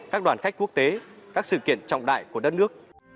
các đoàn khách quốc tế các sự kiện trọng đại của đất nước